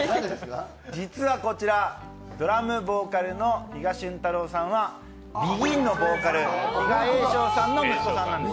実はこちら、ドラムボーカルの比嘉舜太朗さんは、ＢＥＧＩＮのボーカル比嘉栄昇さんの息子さんなんです。